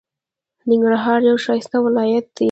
ننګرهار یو ښایسته ولایت دی.